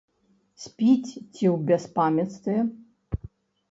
Спіць ці ў бяспамяцтве?